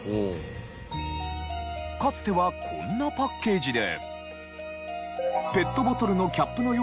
かつてはこんなパッケージで。